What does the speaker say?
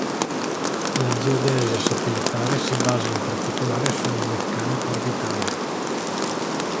La geodesia satellitare si basa in particolare sulla meccanica orbitale.